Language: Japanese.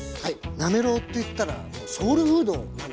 なめろうといったらソウルフードなんですね。